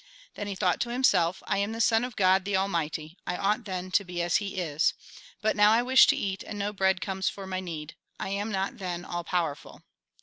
Then he thought to himself, " I am the Son of God the Almighty ; I ought, then, to be as He is. But now, I wish to eat, and no bread comes for my need ; I am not, then, all powerful."